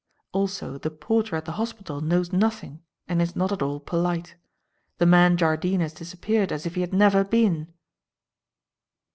Also the porter at the hospital knows nothing and is not at all polite. The man Jardine has disappeared as if he had never been."